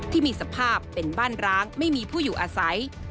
ที่มีสภาพเป็นบ้านร้างไม่มีผู้อยู่อาศัย